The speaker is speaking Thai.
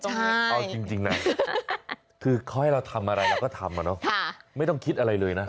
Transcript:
ช่วยปล่อยบ๊าถึงคือเขาอาจจะทำไงเราก็ตามเนาะไม่ต้องคิดอะไรเลยนะ